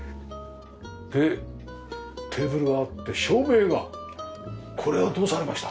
でテーブルがあって照明が！これはどうされました？